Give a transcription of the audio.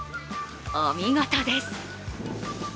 お見事です！